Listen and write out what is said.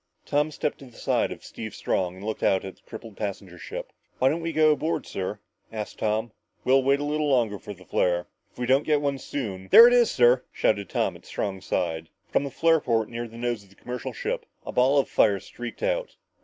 Tom stepped to the side of Steve Strong and looked out at the crippled passenger ship. "Why don't we go aboard, sir?" asked Tom. "We'll wait a little longer for the flare. If we don't get it soon " "There it is, sir!" shouted Tom at Strong's side. From the flare port near the nose of the commercial ship, a ball of fire streaked out.